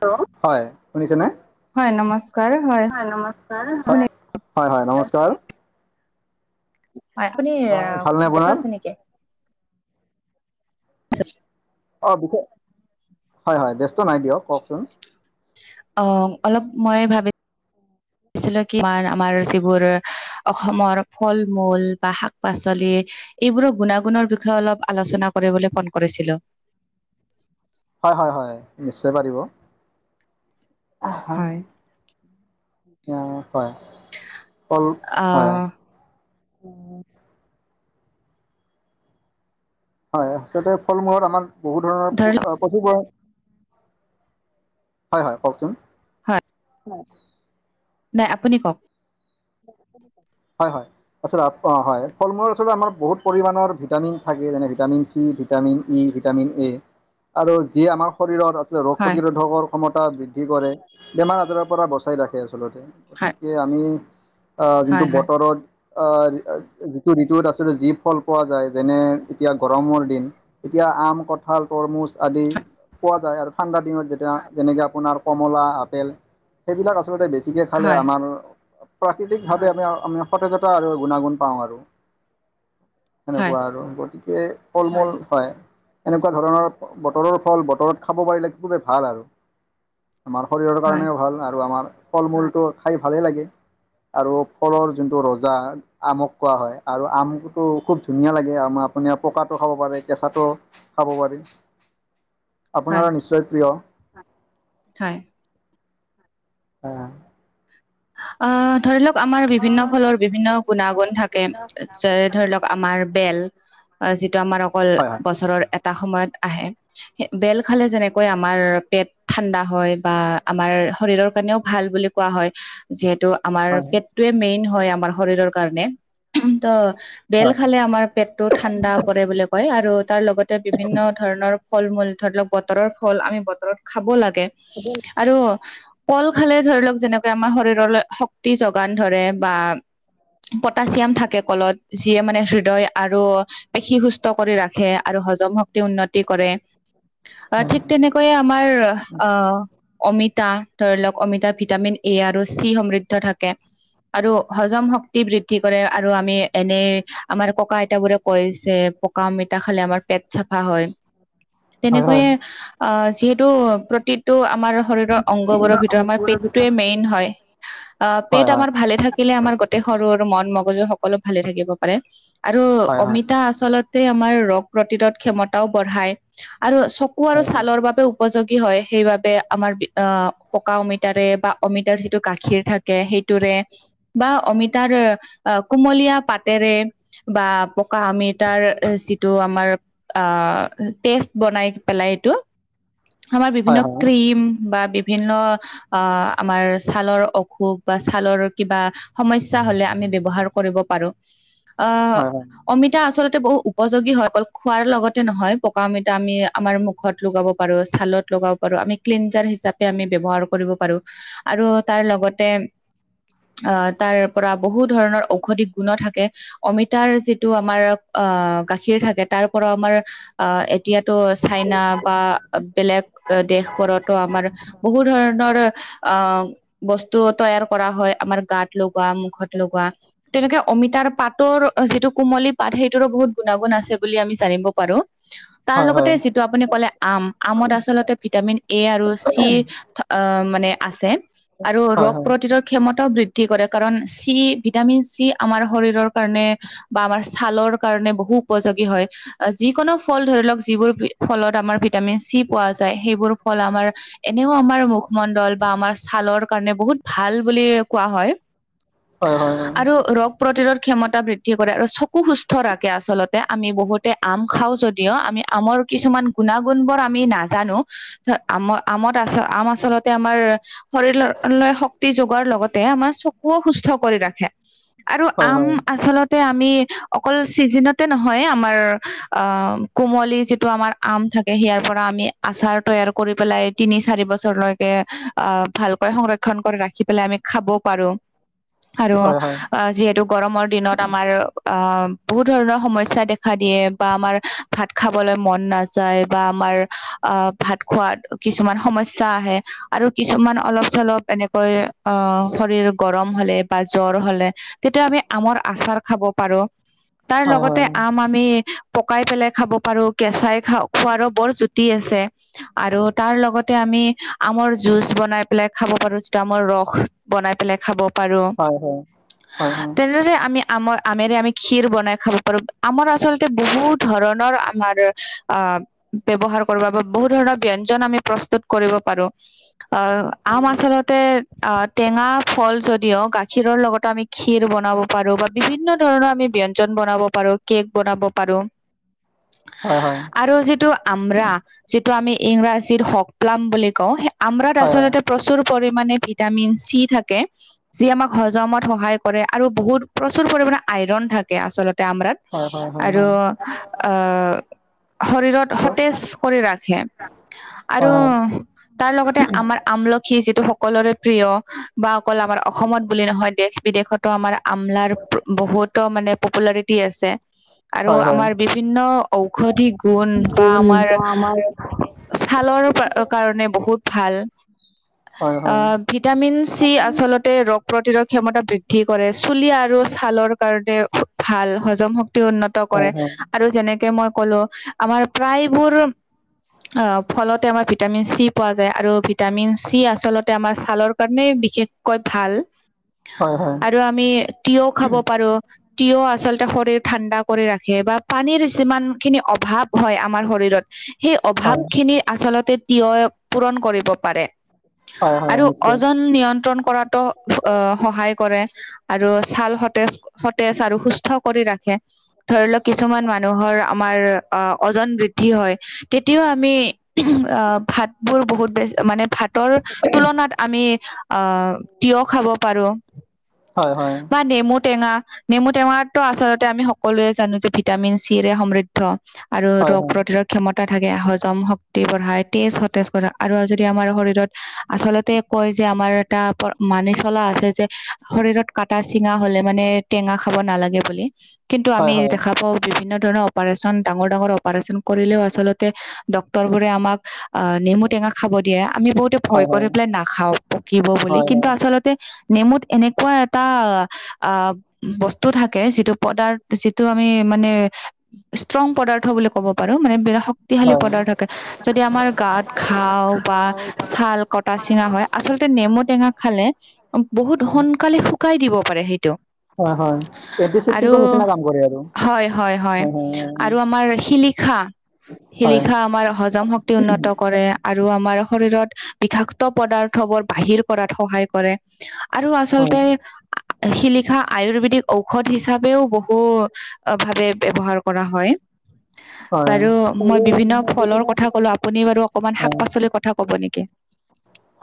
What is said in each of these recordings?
Hello, হয় শুনিছেনে, হয় নমস্কাৰ হয় নমচ শুনি [unintelligible] হয়- হয়, নমস্কাৰ। হয়, আপুনি হয় ভালনে ব্যস্ত আপোনাৰ আছে নেকি। [inaudible] অ', বিশেষ, হয়-হয়, ব্যস্ত নাই দিয়ক, কওঁকচোন। অ', অলপ মই ভাবি ছিলোঁ কি মাৰ আমাৰ যিবোৰ অসমৰ ফল-মূল বা শাক-পাচলি এইবোৰৰ গুণাগুণৰ বিষয়ে অলপ আলোচনা কৰিবলে ফোন কৰিছিলো। অ', হয়-হয়, নিশ্চয় পাৰিব। হয়। [unintelligible] উম, হয়, উম, হয়। আহ হয়, হয়, আছলতে ফল-মূলত আমাৰ বহুত ধৰণৰ পু ধৰি লওক অ [unintelligible] হয়- হয়, কওঁকচোন। হয় হয়। নাই আপুনি কওঁক। [inaudible] হয়-হয়, ওচৰত অ', হয়, ফল-মূলত আচলতে আমাৰ বহুত পৰিমাণৰ ভিটামিন থাকে, যেনে vitamin vitamin E, vitamin A আৰু যি আমাৰ শৰীৰত আছে ৰোগ হয় প্ৰতিৰোধকৰ ক্ষমতা বৃদ্ধি কৰে, বেমাৰ-আজাৰৰ পৰা বচাই ৰাখে। আচলতে, হয় গতিকে আমি অ', যোনটো হয় হয় বতৰত অ', ঋতু ঋতুত আচলতে যি ফল পোৱা যায়, যেনে এতিয়া গৰমৰ দিন। এতিয়া আম, কঁঠাল, তৰমুজ আদি। পোৱা যায়, আৰু ঠাণ্ডা দিনত যেতিয়া যেনেকে আপোনাৰ কমলা, আপেল সেইবিলাক আচলতে বে ছিকে খালে হয় আমাৰ প্ৰাকৃতিক ভাৱে আমি আমি সতেজতা আৰু গুণাগুণ পাওঁ আৰু। হয় সেনেকুৱা আৰু গতিকে ফল-মূল, হয়। এনেকুৱা ধৰণৰ বতৰৰ ফল বতৰত খাব পাৰিলে খুবেই ভাল আৰু। আমাৰ শৰীৰৰ হয় কাৰণেও ভাল আৰু আমাৰ ফল-মূলটো খাই ভালেই লাগে। আৰু ফলৰ যোনটো ৰজা আমক কোৱা হয় আৰু আমটোটো খুব ধুনীয়া লাগে, আম আপুনি পকাটো খাব পাৰে, কেঁচাটো খাব পাৰি, আপোনাৰো নিশ্চয় প্ৰিয়। খায়। অ'। অ', ধৰি লওঁক আমাৰ বিভিন্ন ফলৰ বিভিন্ন গুণাগুণ থাকে, যেনে ধৰি লওঁক আমাৰ বেল। অ', যিটো আমাৰ অকল হয় হয় বছৰৰ এটা সময়ত আহে। বেল খালে যেনেকৈ আমাৰ পেট ঠাণ্ডা হয়, বা আমাৰ শৰীৰৰ কাৰণেও ভাল বুলি কোৱা হয়। যিহেতু আমাৰ হয় পেটটোৱে মেইন হয় আমাৰ শৰীৰৰ কাৰণে, ত' বেল হয় হয় খালে আমাৰ পেটটো ঠাণ্ডা পৰে বুলি কয়, আৰু তাৰ লগতে বিভিন্ন ধৰণৰ ফল-মূল ধৰি লওঁক বতৰৰ ফল আমি বতৰত খাব লাগে, আৰু কল খালে ধৰি লওঁক যেনেকৈ আমাৰ শৰীৰলে শক্তি যোগান ধৰে, বা পটাছিয়াম থাকে কলত, যিয়ে মানে হৃদয় আৰু পেশী সুস্থ কৰি ৰাখে। আৰু হজম শক্তি উন্নতি কৰে, অ', ঠিক তেনেকৈয়ে আমাৰ অ অমিতা ধৰি লওঁক অমিতা ভিটামিন এ আৰু চি সমৃদ্ধ থাকে। আৰু হজম শক্তি বৃদ্ধি কৰে, আৰু আমি এনেই আমাৰ ককা আইতা বোৰে কৈছে পকা আমিতা খালে আমাৰ পেট চাফা হয়, হয় হয় তেনেকৈয়ে অ যিহেতু প্ৰতিটো আমাৰ শৰীৰৰ অংগ বোৰৰ ভিতৰত আমাৰ পেটটোৱে মেইন হয়। অ', পেট হয় হয় আমাৰ ভালে থাকিলে আমাৰ গোটেই সৰু-সৰু মন, মগজু সকলো ভালে থাকিব পাৰে। আৰু হয় হয় অমিতা আচলতে আমাৰ ৰোগ প্ৰতিৰোধ ক্ষমতাও বঢ়ায়, আৰু কু আৰু হয় ছালৰ বাবে উ উপযোগী হয়, সেইবাবে আমাৰ অ পকা অমিতাৰে বা অমিতাৰ যিটো গাখীৰ থাক কে সেইটোৰে, বা অমিতাৰ কুমলীয়া পাতেৰে বা পকা অমিতাৰ যিটো আমাৰ অ', পেষ্ট বনাই পেলাই এইটো। আমাৰ হয় বিভিন্ন ক্ৰীম বা বিভিন্ন অ', আমাৰ ছালৰ অসুখ বা ছালৰ কিবা সমস্যা হ'লে আমি ব্যৱহাৰ কৰিব পাৰো। অ' হয় অমিতা আচলতে বহু উপযোগী হয়, অকল খোৱাৰ লগতে নহয়, পকা অমিতা আমি আমাৰ ম মুখত লগাব পাৰো, ছালত লগাব পাৰো, আমি ক্লিনজাৰ হিচাপে আমি ব্যৱহাৰ কৰিব পাৰো। আৰু তাৰ লগতে অ', তাৰ পৰা বহু ধৰণৰ ঔষধি গুনো থাকে। অমিতাৰ যিটো আমাৰ অ গাখীৰ থাকে, তাৰ পৰা আমাৰ আ এই এতিয়াতো চাইনা বা বেলেগ দেশবোৰতো আমাৰ বহুত ধৰণৰ অ', বস্তু তৈয়াৰ কৰা হয় আমাৰ গাত। লগোৱা মুখত লগোৱা। তেনেকে অমিতাৰ পাতৰ যিটো কুমলী পাত, সেইটোৰো বহুত গুণাগুণ আছে বুলি আমি জানিব পাৰো। তাৰ হয় হয় লগতে হয় যিটো আপুনি ক'লে আম, আমত আচলতে ভিটামিন এ আৰু চি অ', মানে আছে আৰু হয় শৰীৰৰ ক্ষমতাও বৃদ্ধি কৰে, কাৰণ চি ভিটামিন চি আমাৰ শৰীৰৰ কাৰণে বা আমাৰ ছালৰ কাৰণে বহু উপযোগী হয়। যিকোনো ফল ধৰি লওঁক যিবোৰ ফলত আমাৰ ভিটামিন চি পোৱা যায়, সেইবোৰ ফল আমাৰ এনেও আমাৰ মুখমণ্ডল বা আমাৰ ছালৰ কাৰণে বহুত ভাল বুলি কোৱা হয় হয় হয় হয় আৰু ৰ প্ৰতিৰোধ ক্ষমতা বৃদ্ধি কৰে, আৰু চকু সুস্থ ৰাখে আচলতে, আমি বহুতে আম খাওঁ যদিও আমি আমৰ কিছুমান গুণাগুণ বোৰ আমি নাজানো, আমৰ আমত আ আম আচলতে আমাৰ [unintelligible] লৈ শক্তি যোগোৱাৰ লগতে আমাৰ চকুও সুস্থ কৰি ৰাখে, আৰু হয় আম আচলত তে আমি অকল চিজনতে নহয় আমাৰ অ কোমলী যিটো আমাৰ আম থাকে সেইয়াৰ পৰা আমি আচাৰ তৈয়াৰ কৰি পেলাই তিনি চাৰি বছৰলৈকে আ ভাল সংৰক্ষণ কৰি ৰাখি পেলাই আমি খাব পাৰো, আৰু হয় হয় হয় অ যিহেতু গৰমৰ দিনত আমাৰ আ বহু ধৰণৰ সমস্যা দেখা দিয়ে বা আমাৰ ভাত খাবলে মন নাযায় বা আমাৰ আ ভাত খোৱাত কিছুমান সমস্যা আহে। আৰু কিছুমান অলপ চলপ এনেকৈ অ', শৰীৰ গৰম হ'লে বা জ্বৰ হ'লে তেতিয়া আমি আমৰ আচাৰ খাব পাৰো, তাৰ হয় হয় হয় লগতে আম আমি পকাই পেলাই খাব পাৰো, কেঁচাই খা খোৱাৰো বৰ জুতি আছে। আৰু তাৰ লগতে আমি আমৰ জুচ বনাই পেলাই খাব পাৰো, যিটো আমাৰ ৰস বনাই পেলাই খাব পাৰো। হয়- হয়- হয়- হয়। তেনেদৰে আমি আমৰ আমেৰে আমি ক্ষীৰ বনাই খাব পাৰো, আমৰ আচলতে বহুত ধৰণৰ আমাৰ আ ব্যৱহাৰ কৰিব বা বহুত ধৰণৰ ব্যঞ্জন আমি প্ৰস্তুত কৰিব পাৰো। অ', আম আচলতে অ', টেঙা ফল যদিও গা খীৰৰ লগত আমি ক্ষীৰ বনাব পাৰোঁ বা বিভিন্ন ধৰণৰ আমি ব্যঞ্জন বনাব পাৰোঁ, কেক বনাব পাৰোঁ। [inaudible] হয়- হয়। আৰু যিটো আমৰা, যিটো আমি ইংৰাজীত হওঁক প্লাম বুলি কওঁ, সেই আমৰাত আচলতে প্ৰচুৰ পৰিমাণে ভিটামিন চি থাকে। যি আমাক হজমত সহায় কৰে আৰু বহুত প্ৰচুৰ পৰিমানে আইৰণ থাকে আচলতে আমৰাত। হয় হয় হয় হয় হয় হয় হয় আৰু অ', শৰীৰত সতেজ কৰি ৰাখে আৰু তাৰ লগতে আমাৰ আমল খি যিটো সকলোৰে প্ৰিয় বা অকল আমাৰ অসমত বুলি নহয় দেশ বিদেশত ত' আমাৰ আমলাৰ বহুতো মানে পপুলাৰিটি আছে। আৰু হয় হয় হয় হয় হয় হয় আমাৰ বিভিন্ন ঔষধি গুণ বা আমাৰ ছালৰ কাৰণে বহুত ভাল। অ', ভিটামিন চি আচলতে ৰক প্ৰতিৰোধ ক্ষমতা বৃদ্ধি কৰে, চুলি আৰু ছালৰ কাৰণে ভাল, হজম শক্তি উন্নত কৰে আৰু যেনেকে মই ক'লো আমাৰ প্ৰায়বোৰ অ', ফলতে আমাৰ ভিটামিন চি পোৱা যায় আৰু ভিটামিন চ যি আচলতে আমাৰ ছালৰ কাৰণেই বিশেষ কৈ ভাল হয় আৰু আমি তিয়ও খাব পাৰো। তিয়হ আচলতে শৰীৰ ঠাণ্ডা কৰি ৰাখে বা পানীৰ যিমান খিনি অভাৱ হয় আমাৰ শৰীৰত সেই হয় অভাৱখিনি আচলতে তিয়হে পূৰণ কৰিব পাৰে। হয় হয় আৰু নিশ্চয় অজন নিয়ন্ত্ৰণ কৰাতো অ সহায় কৰে। আৰু ছাল সতেজ- সতেজ আৰু সুস্থ কৰি ৰাখে। ধৰি লওঁক কিছুমান মানুহৰ আমাৰ অ ওজন বৃদ্ধি হয়। তেতিয়াও আমি অ ভাতবোৰ বহুত বেছ মানে ভাত তুলনাত আমি অ তিয়হ খাব পাৰো, হয় হয় বা নেমু টেঙা, নেমু টেঙাটো আচলতে আমি সকলোৱে জানো যে ভিটামিন চি ৰে সমৃ ধ আৰু হয় ৰোগ হয় প্ৰতিৰোধ ক্ষমতা থাকে, হজম শক্তি বঢ়ায়, তেজ সতেজ কৰা আৰু যদি আমাৰ শৰীৰত আচলতে কয় যে আমাৰ এটা মানি চলা আছে যে, শৰীৰত কাটা চিঙা হ'লে মানে টেঙা খাব নালাগে বুলি। কিন্তু হয় হয় আমি দেখা পাওঁ বিভিন্ন ধৰণৰ অপাৰচন ডাঙৰ- ডাঙৰ অপাৰচন কৰিলেও আচলতে ডক্তৰবোৰে আমাক অ নেমু টেঙা খাব দিয়ে, আমি বহুতে ভয় হয় হয় কৰি পেলাই নাখাওঁ পকিব বুলি, হয় কিন্তু হয় আচলতে নেমুত এনেকুৱা এটা আ বস্তু থাকে, যিটো পদাৰ, যিটো আমি মানে ষ্ট্ৰং পদাৰ্থ বুলি ক'ব পাৰো, মানে বিৰা শক্তিশালী পদাৰ থাকে, যদি আমাৰ গাত ঘাও বা ছাল কটা চিঙা হয়, আচলতে নেমু টেঙা খালে বহুত সোনকালে শুকাই দিব পাৰে সেইটো। হয়-হয়, এতি আৰু [unintelligible] নিচিনা কাম কৰে আৰু। হয়, হয়- হয় আৰু আমাৰ শিলিখা। হয় হয় শিলিখা আমাৰ হজম শক্তি উন্নত কৰে আৰু আমাৰ শৰীৰত বিষাক্ত পদাৰ্থবোৰ বাহিৰ কৰাত সহায় কৰে। আৰু হয়, আচলতে শিলিখা আয়ুৰ্বেদিক ঔষধ হিচাপেও বহু অ ভাৱে ব্যৱহাৰ কৰা হয়। হয়, বাৰু মই বিভিন্ন ফলৰ কথা ক'লো, আপুনি বাৰু অকমান শাক হয়, পাচলিৰ কথা ক'ব নেকি।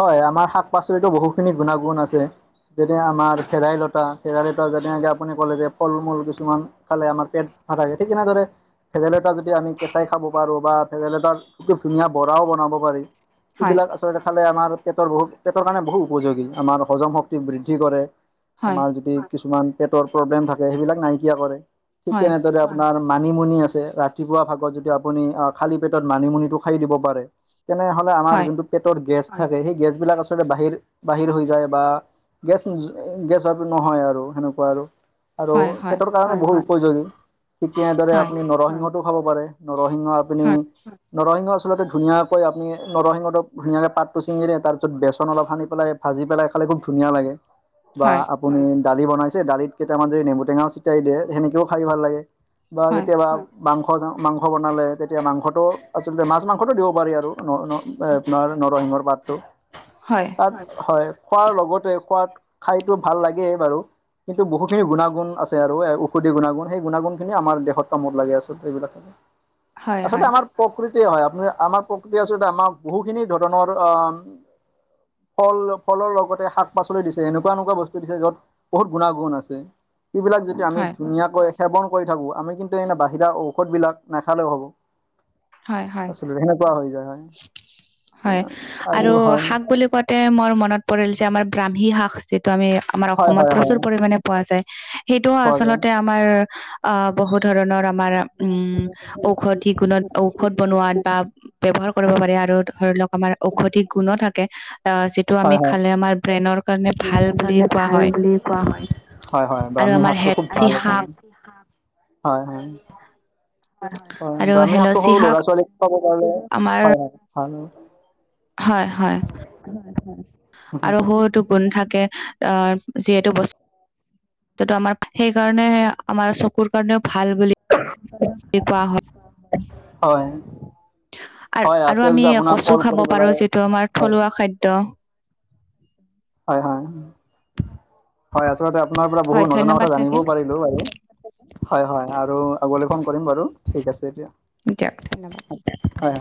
হয়, আমাৰ শাক পাচলিতো বহুখিনি গুণাগুণ আছে। যেনে আমাৰ ভেদাইলতা-ভেদাইলতা যেনেকে আপুনি ক'লে যে ফল মূল কিছুমান খালে আমাৰ পেট ভাল হয়, ঠিক এনেদৰে ভেদাইলতা যদি আমি কেঁচাই খাব পাৰোঁ বা ভেদাইলতাৰ খুব ধুনীয়া বৰাও বনাব পাৰি। হয় এইবিলাক আচলতে খালে আমাৰ পেটৰ বহুত পেটৰ কাৰণে বহুত উপযোগী, আমাৰ হজম শক্তি বৃদ্ধি কৰে। হয় আমাৰ যদি কিছুমান পেটৰ প্ৰব্লেম থাকে, সেইবিলাক নাইকিয়া কৰে, ঠিক হয় তেনেদৰে আপোনাৰ মানিমুনি আছে, ৰাতিপুৱা ভাগত যদি আপুনি অ খালি পেটত মানিমুনিটো খাই দিব পাৰে। তেনেহ'লে আমাৰ হয় যোনটো পেটৰ গেছ থাকে, সেই গেছবিলাক আচলতে বাহিৰ-বাহিৰ হৈ যায় বা গেছ [unintelligible] গেছ আৰু নহয় আৰু সেনেকুৱা আৰু। আৰু হয় হয় পেটৰ কাৰণে বহুত উপযোগী, ঠিক তেনেদৰে হয় আপুনি নৰসিংহতো খাব পাৰে নৰসিংহ আপুনি হয় নৰসিংহ আচলতে ধুনীয়াকৈ আপুনি নৰসিংহটো ধুনীয়াকে পাতটো ছিঙিলে, তাৰ পিছত বেচন অলপ সানি পেলাই ভাজি পেলাই খালে খুব ধুনীয়া লাগে, বা হয় আপ আপুনি দালি বনাইছে, দালিত কেইটামান যদি নেমুটেঙাও ছিটিয়াই দিয়ে, সেনেকেও খাই ভাল লাগে। বা হয় কেতিয়াবা মাংসা ন মাংস বনালে, তেতিয়া মাংসটো আচলতে মাছ মাংসটো দিব পাৰি আৰু ন-ন এ আপোনাৰ নৰসিংহৰ পাতটো। হয়। তাত হয়, খোৱাৰ লগতে খোৱাত খাইতো ভাল লাগে বাৰু। কিন্তু বহুখিনি গুণাগুণ আছে আৰু ঔষধি গুণাগুণ সেই গুণাগুণ খিনি আমাৰ দেহত কামত লাগে আচলতে এইবিলাক। [inaudible] হয় আচলতে হয় আমাৰ প্ৰকৃতি হয়, আপুনি আমাৰ প্ৰকৃতিয়ে আচলতে আমাৰ বহুখিনি ধৰণৰ অ ফল ফলৰ লগতে শাক পাচলি দিছে, এনেকুৱা-এনেকুৱা বস্তু দিছে য'ত বহুত গুণাগুণ আছে, সেইবিলাক যদি আমি হয় ধুনীয়াকৈ সেৱন কৰি থাকো, আমি কিন্তু এনে বাহিৰা ঔষধ বিলাক নাখালেওঁ হ'ব। হয়- হয়- আচলতে সেনেকুৱা হৈ যায় হয় হয় আৰু শাক বুলি কোৱাত তে মোৰ মনত পৰিল যে আমাৰ ব্ৰাহ্মী শাক আছে, যিটো আমি আমাৰ হয় অসমত হয় হয় প্ৰচুৰ পৰিমানে পোৱা যায়, সেইটোও পোৱা যায়। আচলতে আমাৰ আ বহু ধৰণৰ আমাৰ উম ঔষধি গুণত ঔষধ বনোৱাত বা ব্যৱহাৰ কৰিব পাৰে আৰু ধৰি লওঁক আমাৰ ঔষধি গুনো থাকে, আ যিটো হয় আমি হয় খালে আমাৰ ব্ৰেইনৰ কাৰণে ভাল বুলি কোৱা হয়। পোৱা হয়, হয়- হয়, আৰু ব্ৰাহ্মী আমাৰ শাকটো খুব হেলচি ভাল শাক হয়- হয়। হয়, আৰু ব্ৰাহ্মী শাকটো হেলচি সৰু শাক ল'ৰা ছোৱালীক খোৱাব পাৰিলে হে, আমাৰ হয়- হয়- হয়। হয়- হয়। [unintelligible] আৰু সৈটো গুণ থাকে, অ', যিহেতু বচ টোটো আমাৰ সেই কাৰণে আমাৰ চকুৰ কাৰণেও ভাল বুলি কোৱা হয় অ'। আৰু-আৰু আমি কচু কল কৰি খাব পাৰো পেলাই যিটো আমাৰ হয় থলুৱা খাদ্য। হয় হয়- হয়, আচলতে আপোনাৰ পৰা বহু হয় নজনা ধন্যবাদ কথা জানিবও থাকিল পাৰি লো বাৰু, হয়- হয় আৰু আগলে ফোন কৰিম বাৰু, ঠিক আছে এতিয়া। দিয়ক ধন্যবাদ। হয়।